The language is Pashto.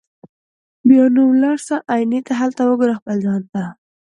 بیا نو ولاړ سه آیینې ته هلته وګوره خپل ځان ته